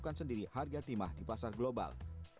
bumn mencari kendiri harga timah di pasar global